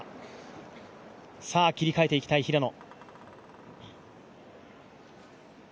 さあ、切り替えていきたい平野。